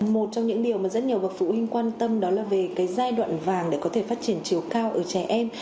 một trong những điều mà rất nhiều bậc phụ huynh quan tâm đó là về giai đoạn vàng để có thể phát triển chiều cao ở trẻ em